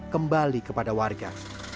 kembali kepada warga